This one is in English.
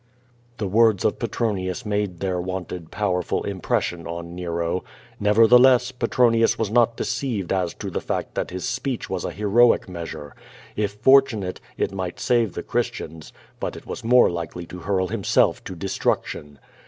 *" The words of Petronius made their wonted powerful im pression on Nero. Nevertheless, Petronius was not deceived as to the fact that his speech was a heroic measure. If for tunate, it might save the Christians. But it was more likely to hurl himself to desiruction.